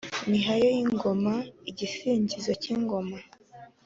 mihayo y’ingoma: igisingizo k’ingoma